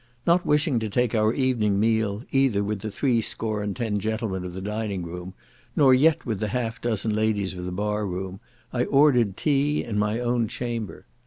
Not wishing to take our evening meal either with the three score and ten gentlemen of the dining room, nor yet with the half dozen ladies of the bar room, I ordered tea in my own chamber.